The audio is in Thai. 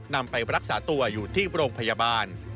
นำไปรักษาตัวอยู่ที่โรงพยาบาล